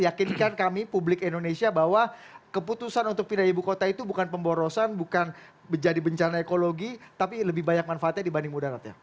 yakinkan kami publik indonesia bahwa keputusan untuk pindah ibu kota itu bukan pemborosan bukan menjadi bencana ekologi tapi lebih banyak manfaatnya dibanding mudarat ya